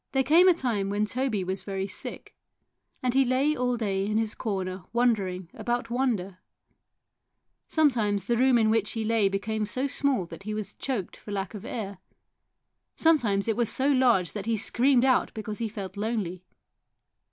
There came a time when Toby was very sick, and he lay all day in his corner wonder ing about wonder. Sometimes the room in which he lay became so small that he was choked for lack of air, sometimes it was so large that he screamed out because he felt lonely.